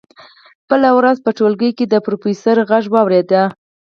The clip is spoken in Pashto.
بله ورځ هغه په ټولګي کې د پروفیسور غږ واورېد